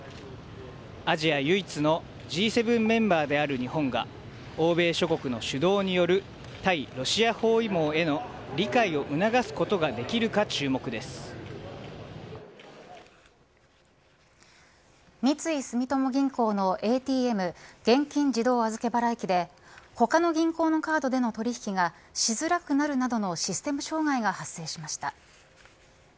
アジア唯一のＧ７メンバーである日本が欧米諸国の主導による対ロシア包囲網への理解を促すことが三井住友銀行のＡＴＭ現金自動預払機で他の銀行のカードでの取引がしづらくなるなどのシステム障害が発生しました。